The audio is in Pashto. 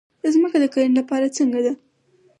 ځمکه د کرنې لپاره څنګه ده؟